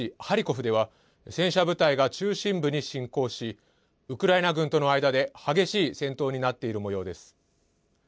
ハリコフでは戦車部隊が中心部に侵攻しウクライナ軍との間で激しい戦闘になっているもようです。